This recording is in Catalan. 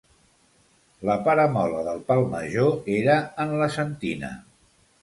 La paramola del pal major era en la sentina.